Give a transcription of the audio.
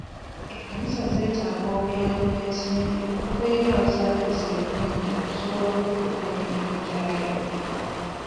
Ekkanisa zeetaaga obuyambi bw'ensimbi okuva eri abazaagaliza ebirungi okusobola oluddukanya emirimu gyago.